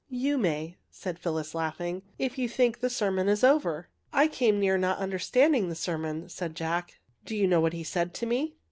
"^' You may," said Phyllis, laughing, " if you think the sermon is over! "'' I came near not understanding the ser mon," said Jack. '' Do you know what he said to me?